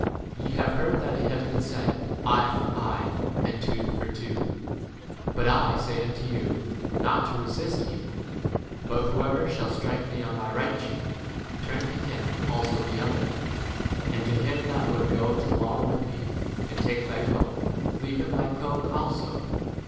* 38 Ye have heard that it has been said, Eye for eye and tooth for 89 tooth. But I say unto you, not to resist evil ; but whoever shall strike thee on thy right cheek, 40 turn to him also the other ; and to him that would go to law with thee and take thy coat, leave him 41 thy cloak also.